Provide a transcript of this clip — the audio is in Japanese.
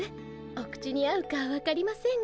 お口に合うか分かりませんが。